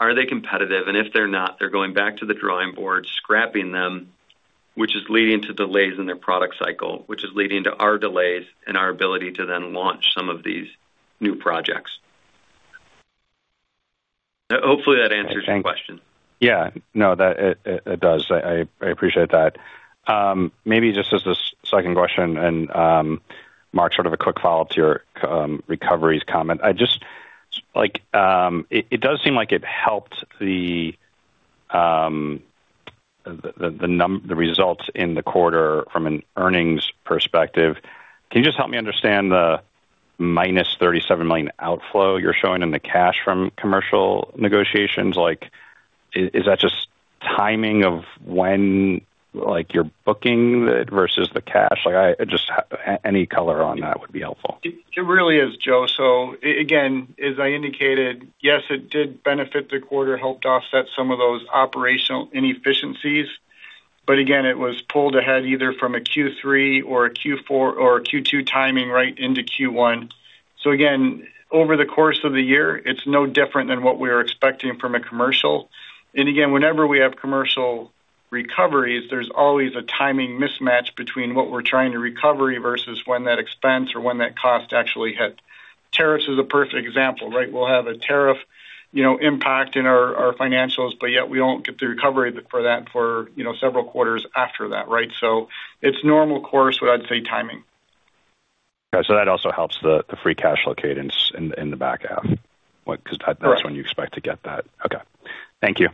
Are they competitive? And if they're not, they're going back to the drawing board, scrapping them, which is leading to delays in their product cycle, which is leading to our delays and our ability to then launch some of these new projects. Hopefully, that answers your question. Yeah. No, that it does. I appreciate that. Maybe just as a second question, and Mark, sort of a quick follow-up to your recoveries comment. I just like it does seem like it helped the results in the quarter from an earnings perspective. Can you just help me understand the -$37 million outflow you're showing in the cash from commercial negotiations? Like, is that just timing of when, like, you're booking it versus the cash? Like, I just any color on that would be helpful. It really is, Joe. So again, as I indicated, yes, it did benefit the quarter, helped offset some of those operational inefficiencies, but again, it was pulled ahead either from a Q3 or a Q4 or a Q2 timing right into Q1. So again, over the course of the year, it's no different than what we are expecting from a commercial. And again, whenever we have commercial recoveries, there's always a timing mismatch between what we're trying to recover versus when that expense or when that cost actually hit. Tariffs is a perfect example, right? We'll have a tariff, you know, impact in our financials, but yet we don't get the recovery for that for, you know, several quarters after that, right? So it's normal course, but I'd say timing. Okay, so that also helps the free cash flow cadence in the back half? What- Correct. Because that's when you expect to get that. Okay. Thank you.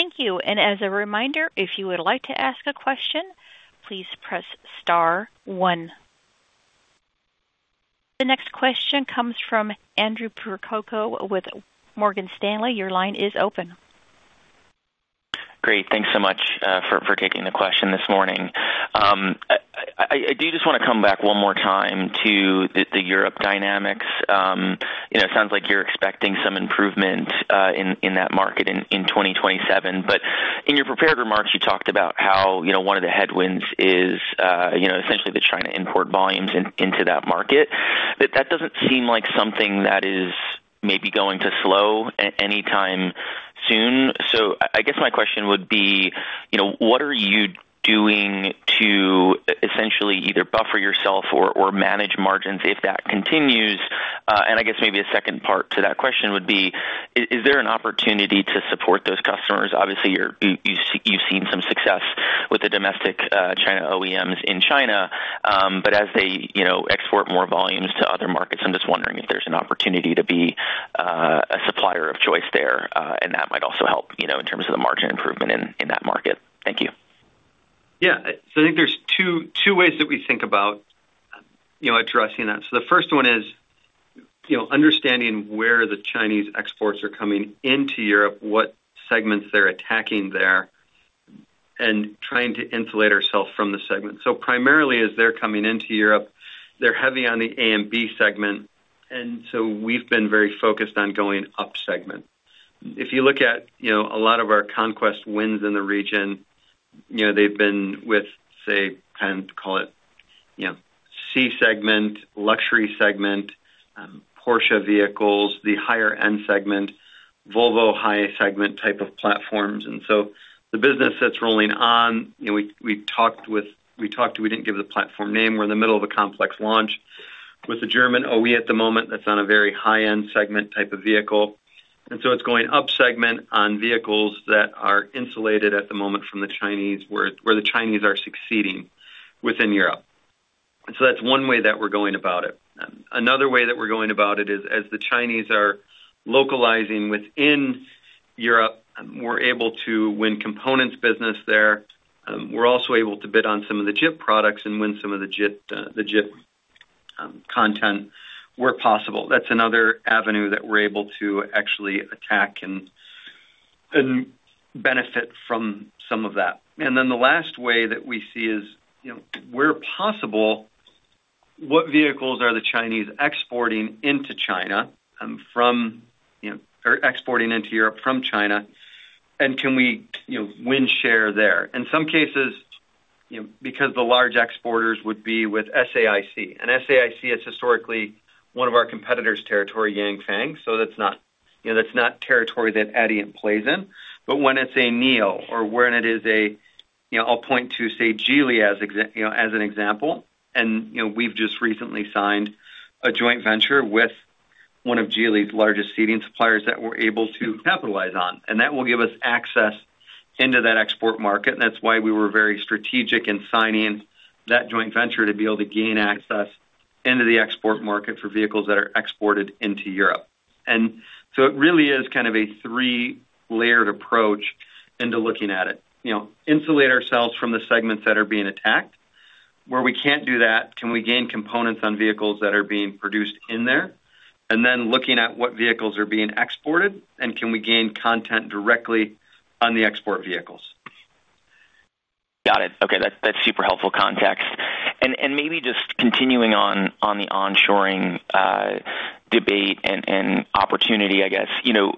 Thank you. And as a reminder, if you would like to ask a question, please press star one. The next question comes from Andrew Percoco with Morgan Stanley. Your line is open. Great. Thanks so much for taking the question this morning. I do just want to come back one more time to the Europe dynamics. You know, it sounds like you're expecting some improvement in that market in 2027. But in your prepared remarks, you talked about how, you know, one of the headwinds is, you know, essentially the China import volumes into that market. But that doesn't seem like something that is maybe going to slow anytime soon. So I guess my question would be, you know, what are you doing to essentially either buffer yourself or manage margins if that continues? And I guess maybe a second part to that question would be: is there an opportunity to support those customers? Obviously, you're, you've seen some success with the domestic, China OEMs in China, but as they, you know, export more volumes to other markets, I'm just wondering if there's an opportunity to be a supplier of choice there, and that might also help, you know, in terms of the margin improvement in that market. Thank you. Yeah. So I think there's two, two ways that we think about, you know, addressing that. So the first one is, you know, understanding where the Chinese exports are coming into Europe, what segments they're attacking there, and trying to insulate ourselves from the segment. So primarily, as they're coming into Europe, they're heavy on the A and B segment, and so we've been very focused on going up segment. If you look at, you know, a lot of our conquest wins in the region, you know, they've been with, say, kind of call it, you know, C segment, luxury segment, Porsche vehicles, the higher end segment, Volvo high-end segment type of platforms. And so the business that's rolling on, you know, we talked to, we didn't give the platform name. We're in the middle of a complex launch with a German OE at the moment, that's on a very high-end segment type of vehicle. And so it's going up segment on vehicles that are insulated at the moment from the Chinese, where the Chinese are succeeding within Europe. So that's one way that we're going about it. Another way that we're going about it is, as the Chinese are localizing within Europe, we're able to win components business there. We're also able to bid on some of the JIT products and win some of the JIT content where possible. That's another avenue that we're able to actually attack and benefit from some of that. Then the last way that we see is, you know, where possible, what vehicles are the Chinese exporting into China from, you know, or exporting into Europe from China, and can we, you know, win share there? In some cases, you know, because the large exporters would be with SAIC, and SAIC is historically one of our competitors' territory, Yanfeng, so that's not, you know, that's not territory that Adient plays in. But when it's a NIO or when it is a, you know, I'll point to, say, Geely as an example, and, you know, we've just recently signed a joint venture with one of Geely's largest seating suppliers that we're able to capitalize on, and that will give us access into that export market. And that's why we were very strategic in signing that joint venture, to be able to gain access into the export market for vehicles that are exported into Europe. And so it really is kind of a three-layered approach into looking at it. You know, insulate ourselves from the segments that are being attacked. Where we can't do that, can we gain components on vehicles that are being produced in there? And then looking at what vehicles are being exported, and can we gain content directly on the export vehicles? Got it. Okay, that's, that's super helpful context. And, and maybe just continuing on, on the onshoring, debate and, and opportunity, I guess. You know,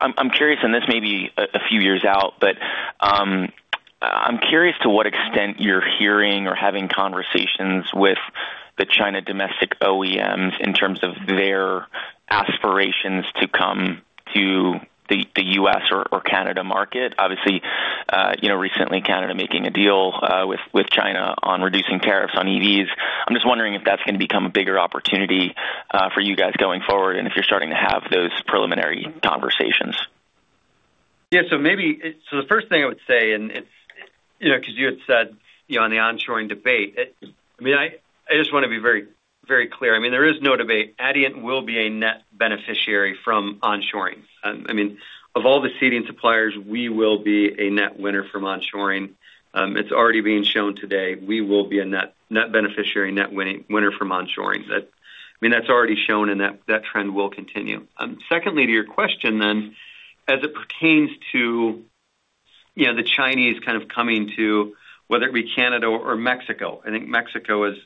I'm, I'm curious, and this may be a, a few years out, but, I'm curious to what extent you're hearing or having conversations with the China domestic OEMs in terms of their aspirations to come to the, the U.S. or, or Canada market. Obviously, you know, recently, Canada making a deal, with, with China on reducing tariffs on EVs. I'm just wondering if that's gonna become a bigger opportunity, for you guys going forward, and if you're starting to have those preliminary conversations. Yeah, so maybe. So the first thing I would say, and it's, you know, because you had said, you know, on the onshoring debate, it- I mean, I just want to be very, very clear. I mean, there is no debate. Adient will be a net beneficiary from onshoring. I mean, of all the seating suppliers, we will be a net winner from onshoring. It's already being shown today. We will be a net beneficiary, net winner from onshoring. That I mean, that's already shown, and that trend will continue. Secondly, to your question then, as it pertains to, you know, the Chinese kind of coming to, whether it be Canada or Mexico, I think Mexico is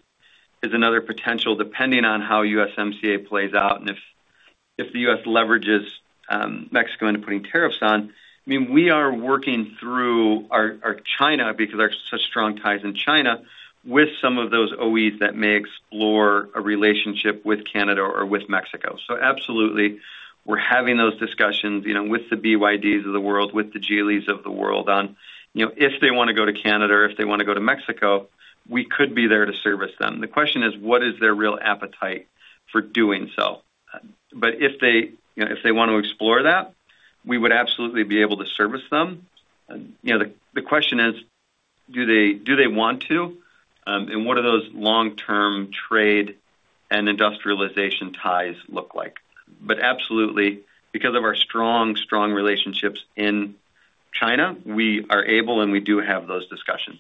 another potential, depending on how USMCA plays out and if the U.S. leverages Mexico into putting tariffs on. I mean, we are working through our China, because there are such strong ties in China, with some of those OEs that may explore a relationship with Canada or with Mexico. So absolutely, we're having those discussions, you know, with the BYDs of the world, with the Geelys of the world on, you know, if they want to go to Canada, or if they want to go to Mexico, we could be there to service them. The question is: What is their real appetite for doing so?... but if they, you know, if they want to explore that, we would absolutely be able to service them. You know, the question is, do they want to? And what are those long-term trade and industrialization ties look like? Absolutely, because of our strong, strong relationships in China, we are able and we do have those discussions.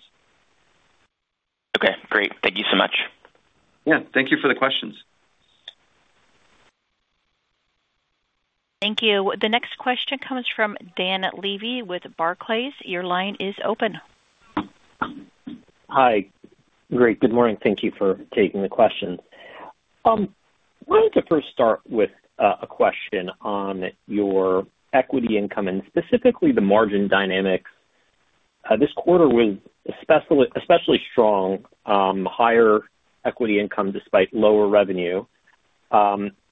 Okay, great. Thank you so much. Yeah, thank you for the questions. Thank you. The next question comes from Dan Levy with Barclays. Your line is open. Hi. Great, good morning. Thank you for taking the questions. Wanted to first start with a question on your equity income, and specifically the margin dynamics. This quarter was especially, especially strong, higher equity income despite lower revenue. And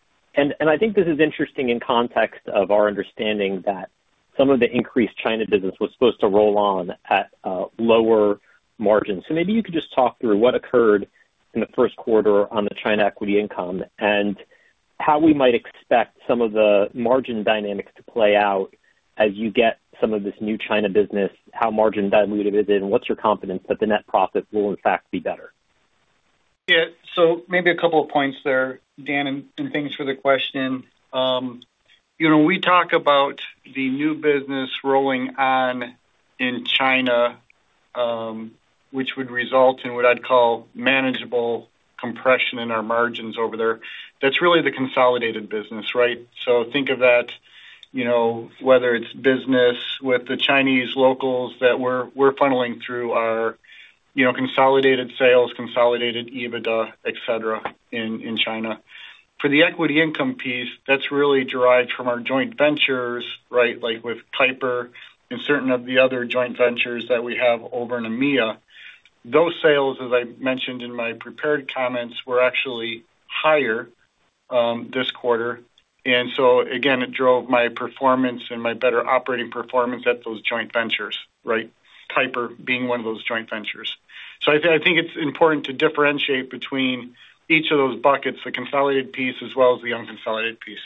I think this is interesting in context of our understanding that some of the increased China business was supposed to roll on at lower margins. So maybe you could just talk through what occurred in the first quarter on the China equity income and how we might expect some of the margin dynamics to play out as you get some of this new China business, how margin diluted it is, and what's your confidence that the net profit will in fact be better? Yeah, so maybe a couple of points there, Dan, and thanks for the question. You know, we talk about the new business rolling on in China, which would result in what I'd call manageable compression in our margins over there. That's really the consolidated business, right? So think of that, you know, whether it's business with the Chinese locals that we're funneling through our, you know, consolidated sales, consolidated EBITDA, et cetera, in China. For the equity income piece, that's really derived from our joint ventures, right? Like, with Keiper and certain of the other joint ventures that we have over in EMEA. Those sales, as I mentioned in my prepared comments, were actually higher this quarter. And so again, it drove my performance and my better operating performance at those joint ventures, right? Keiper being one of those joint ventures. So I think it's important to differentiate between each of those buckets, the consolidated piece as well as the unconsolidated piece.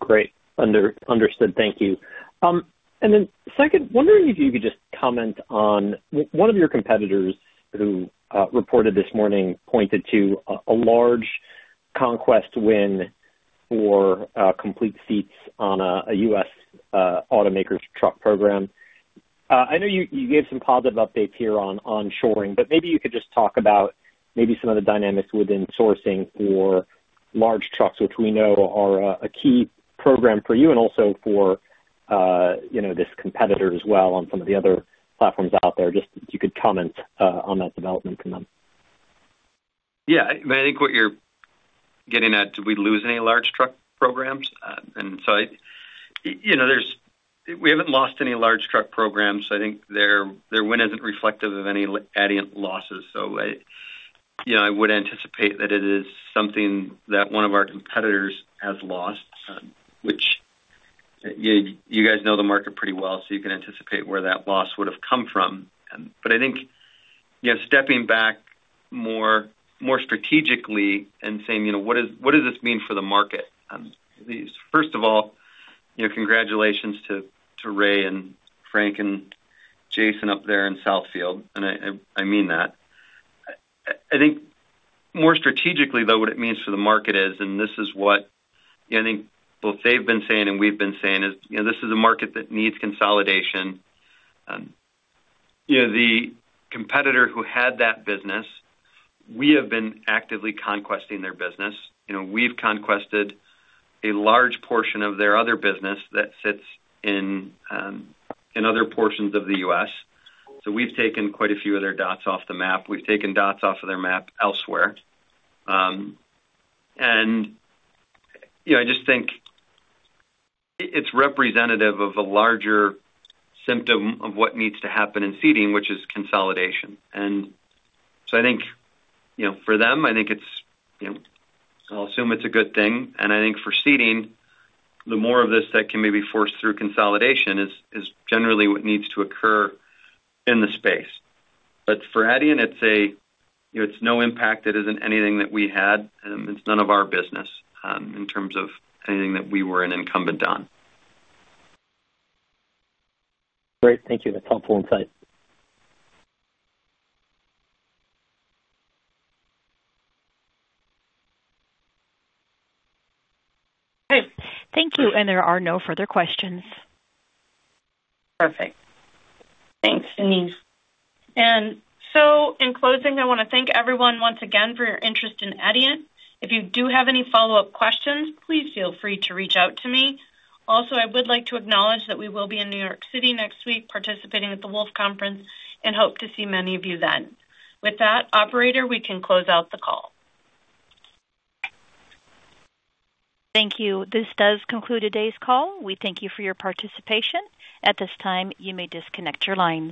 Great. Understood. Thank you. And then second, wondering if you could just comment on... One of your competitors who reported this morning pointed to a large conquest win for complete seats on a U.S. automaker's truck program. I know you gave some positive updates here on onshoring, but maybe you could just talk about maybe some of the dynamics within sourcing for large trucks, which we know are a key program for you and also for you know, this competitor as well on some of the other platforms out there. Just if you could comment on that development from them. Yeah, I think what you're getting at, did we lose any large truck programs? You know, we haven't lost any large truck programs. I think their win isn't reflective of any Adient losses. So I, you know, I would anticipate that it is something that one of our competitors has lost, which, you guys know the market pretty well, so you can anticipate where that loss would have come from. But I think, you know, stepping back more strategically and saying, you know, what does this mean for the market? First of all, you know, congratulations to Ray and Frank and Jason up there in Southfield, and I mean that. I think more strategically, though, what it means for the market is, and this is what, I think, both they've been saying and we've been saying is, you know, this is a market that needs consolidation. You know, the competitor who had that business, we have been actively conquesting their business. You know, we've conquested a large portion of their other business that sits in, in other portions of the U.S. So we've taken quite a few of their dots off the map. We've taken dots off of their map elsewhere. And, you know, I just think it's representative of a larger symptom of what needs to happen in seating, which is consolidation. I think, you know, for them, I think it's, you know, I'll assume it's a good thing, and I think for seating, the more of this that can maybe force through consolidation is generally what needs to occur in the space. But for Adient, it's, you know, no impact. It isn't anything that we had. It's none of our business in terms of anything that we were an incumbent on. Great, thank you. That's helpful insight. Great. Thank you, and there are no further questions. Perfect. Thanks, Denise. And so in closing, I want to thank everyone once again for your interest in Adient. If you do have any follow-up questions, please feel free to reach out to me. Also, I would like to acknowledge that we will be in New York City next week, participating at the Wolfe Conference, and hope to see many of you then. With that, operator, we can close out the call. Thank you. This does conclude today's call. We thank you for your participation. At this time, you may disconnect your lines.